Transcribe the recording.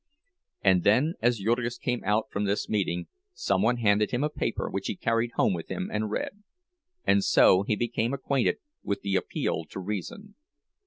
And then, as Jurgis came out from this meeting, some one handed him a paper which he carried home with him and read; and so he became acquainted with the "Appeal to Reason."